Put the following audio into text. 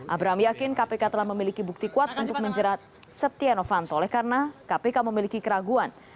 abraham yakin kpk telah memiliki bukti kuat untuk menjerat setia novanto oleh karena kpk memiliki keraguan